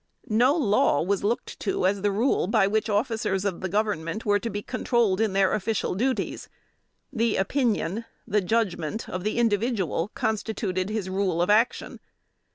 No law was looked to as the rule by which officers of Government were to be controlled in their official duties. The opinion, the judgment, of the individual constituted his rule of action.